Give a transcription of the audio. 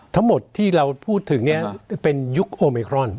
ทั้งหมดที่เราพูดถึงเป็นยุคโอเมครอน